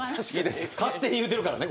勝手に言うてるからね。